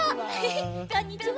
こんにちは！